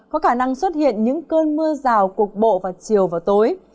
có khả năng xuất hiện những cơn mưa rào cục bộ vào chiều và tối